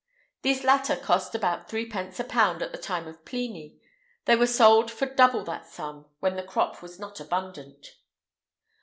These latter cost about threepence a pound in the time of Pliny; they were sold for double that sum when the crop was not abundant.